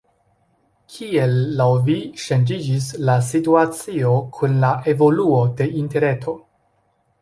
Kiel laŭ vi ŝanĝiĝis la situacio kun la evoluo de interreto?